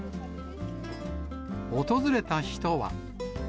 訪れた人は。